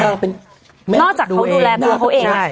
นอกจากเขาดูแลตัวเขาเอง